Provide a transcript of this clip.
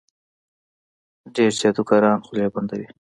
ډېر جادوګران خولې بندوي.